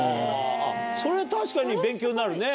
それ確かに勉強になるね。